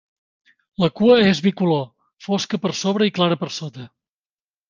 La cua és bicolor, fosca per sobre i clara per sota.